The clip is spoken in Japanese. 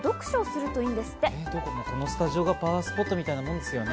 このスタジオがパワースポットみたいなもんですよね。